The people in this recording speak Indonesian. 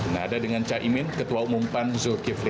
nah ada dengan caimin ketua umum pan zulkifli